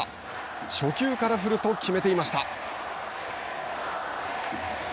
初球から振ると決めていました。